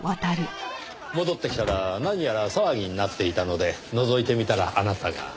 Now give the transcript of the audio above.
戻ってきたら何やら騒ぎになっていたのでのぞいてみたらあなたが。